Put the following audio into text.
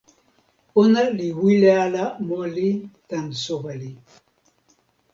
ona li wile ala moli tan soweli.